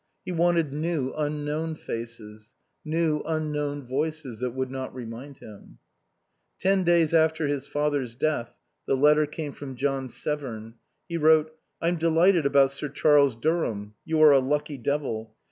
He wanted new unknown faces, new unknown voices that would not remind him Ten days after his father's death the letter came from John Severn. He wrote: "... I'm delighted about Sir Charles Durham. You are a lucky devil.